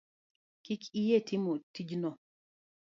Kik iyie timo tijno?